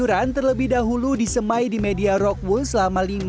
kita bisa memprediksi